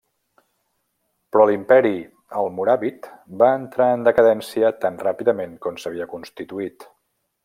Però l'imperi almoràvit va entrar en decadència tan ràpidament com s'havia constituït.